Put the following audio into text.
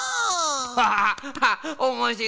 ワハハハおもしろい。